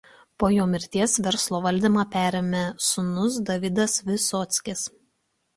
Po jo mirties verslo valdymą perėmė sūnus Davidas Visockis.